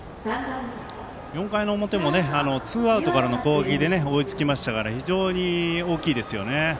４回の表もツーアウトからの攻撃で追いつきましたから非常に大きいですよね。